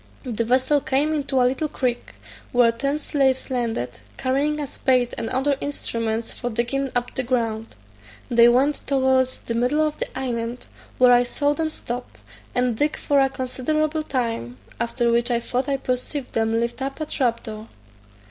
The vessel came into a little creek, where ten slaves landed, carrying a spade and other instruments for digging up the ground. They went towards the middle of the island, where I saw them stop, and dig for a considerable time, after which I thought I perceived them lift up a trap door.